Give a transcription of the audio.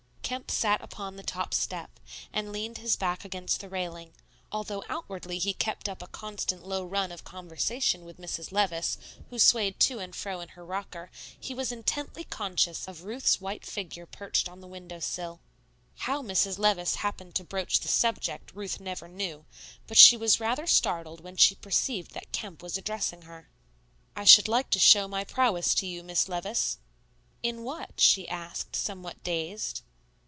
Kemp sat upon the top step, and leaned his back against the railing; although outwardly he kept up a constant low run of conversation with Mrs. Levice, who swayed to and fro in her rocker, he was intently conscious of Ruth's white figure perched on the window sill. How Mrs. Levice happened to broach the subject, Ruth never knew; but she was rather startled when she perceived that Kemp was addressing her. "I should like to show my prowess to you, Miss Levice." "In what?" she asked, somewhat dazed.